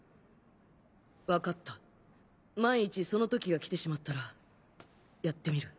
分かった万一その時が来てしまったらやってみる。